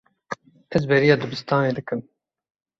Ez bêriya dibistanê dikim.